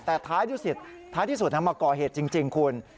แต่ท้ายที่สุดท้ายที่สุดมาก่อเหตุจริงคุณ